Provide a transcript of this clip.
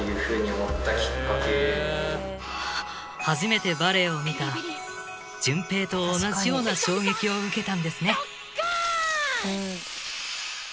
初めてバレエを観た潤平と同じような衝撃を受けたんですね